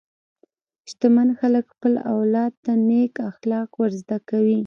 شتمن خلک خپل اولاد ته نېک اخلاق ورزده کوي.